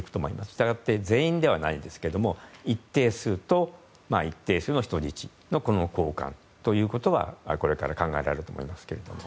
したがって全員ではないんですけれども一定数と一定数の人質の交換ということはこれから考えられると思います。